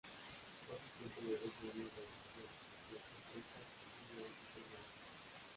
Fue asistente de dos grandes realizadores, Jacques Becker y Jean Renoir.